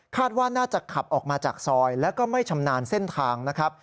ว่าน่าจะขับออกมาจากซอยแล้วก็ไม่ชำนาญเส้นทางนะครับ